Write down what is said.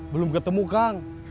belum ketemu kang